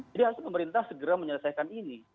jadi harus pemerintah segera menyelesaikan ini